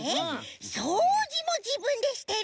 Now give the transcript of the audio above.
そうじもじぶんでしてる。